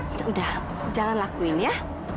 kita udah jalan lakuin ya